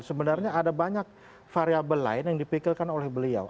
sebenarnya ada banyak variable lain yang dipikirkan oleh beliau